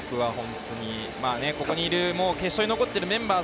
ここにいる決勝に残ってるメンバー